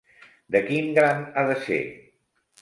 De quin gran ha de ser?